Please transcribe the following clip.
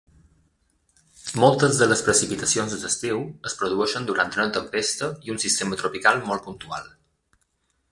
Moltes de les precipitacions d'estiu es produeixen durant una tempesta i un sistema tropical molt puntual.